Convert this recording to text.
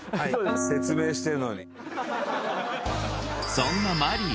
そんなマリー